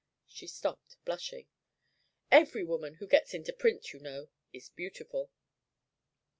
She stopped, blushing. "Every woman who gets into print, you know, is beautiful."